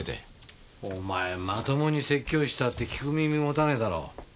お前まともに説教したって聞く耳持たねぇだろ。